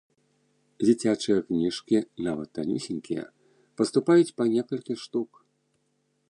Дзіцячыя кніжкі, нават танюсенькія, паступаюць па некалькі штук.